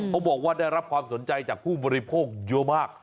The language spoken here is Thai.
เขาบอกว่าได้รับความสนใจจากผู้บริโภคเยอะมาก